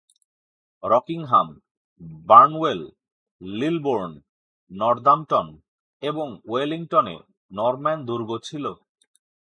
Rockingham, বার্নওয়েল, লিলবোর্ন, Northampton এবং ওয়েলিংটনে Norman দুর্গ ছিল।